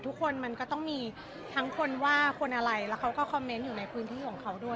ทุกคนมันก็ต้องมีทั้งคนว่าคนอะไรแล้วเขาก็คอมเมนต์อยู่ในพื้นที่ของเขาด้วย